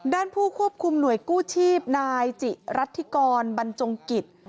ผู้ควบคุมหน่วยกู้ชีพนายจิรัฐธิกรบรรจงกิจ